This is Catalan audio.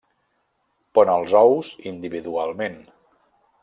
Pon els ous individualment.